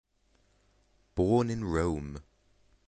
Born in Rome.